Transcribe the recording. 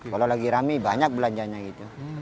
kalau lagi rame banyak belanjanya gitu